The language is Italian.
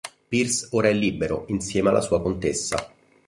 Pierce ora è libero insieme alla sua contessa.